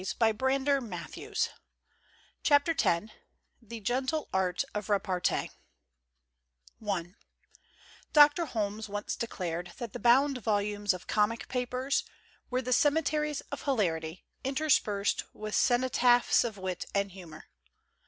163 X THE GENTLE ART OF REPARTEE X THE GENTLE ART OF REPARTEE DOCTOR HOLMES once declared that the bound volumes of comic papers were "cemeteries of hilarity, interspersed with ceno taphs of wit and humor."